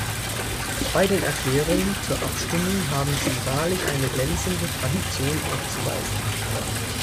Bei den Erklärungen zur Abstimmung haben Sie wahrlich eine glänzende Tradition aufzuweisen!